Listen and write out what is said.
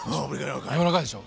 柔らかいでしょ？